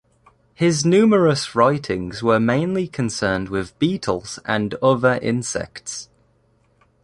His numerous writings were mainly concerned with beetles and other insects.